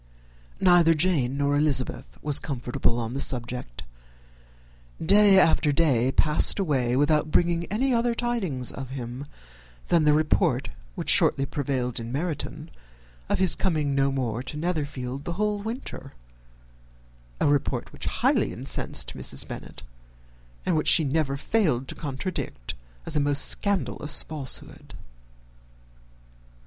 Neither Jane nor Elizabeth were comfortable on this subject. Day after day passed away without bringing any other tidings of him than the report which shortly prevailed in Meryton of his coming no more to Netherfield the whole winter; a report which highly incensed Mrs. Bennet, and which she never failed to contradict as a most scandalous falsehood.